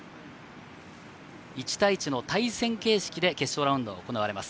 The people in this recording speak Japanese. １対１の対戦形式で決勝ラウンドは行われます。